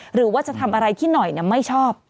หรือว่าจะทำอะไรที่หน่อยไม่ชอบ